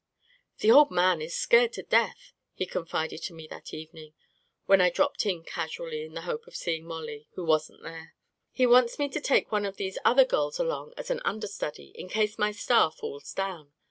u The old man is scared to death," he confided to me that evening, when I dropped in casually in the hope of seeing Mollie — who wasn't there. " He wants me to take one of these other girls along as an understudy, in case my star falls down.